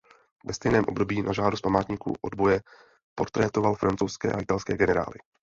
Ve stejném období na žádost Památníku odboje portrétoval francouzské a italské generály.